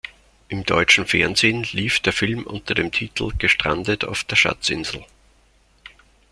Im deutschen Fernsehen lief der Film unter dem Titel Gestrandet auf der Schatzinsel.